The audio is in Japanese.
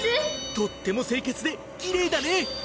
とっても清潔できれいだね！